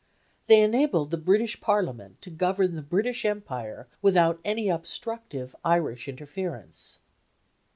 They enabled the British Parliament to govern the British Empire without any obstructive Irish interference.